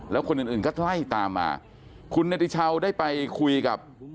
แล้วคนอื่นอื่นก็ไล่ตามมาคุณเนติชาวได้ไปคุยกับ